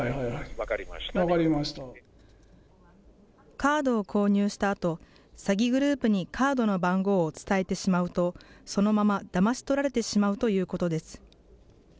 カードを購入したあと、詐欺グループにカードの番号を伝えてしまうとそのままだまし取られてしまうということです。